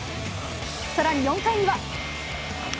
さらに４回には。